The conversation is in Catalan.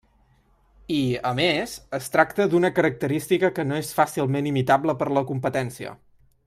I, a més, es tracta d'una característica que no és fàcilment imitable per la competència.